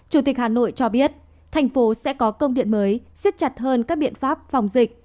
hà nội cho biết thành phố sẽ có công điện mới xếp chặt hơn các biện pháp phòng dịch